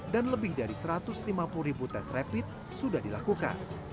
dan lebih dari satu ratus lima puluh tes rapid sudah dilakukan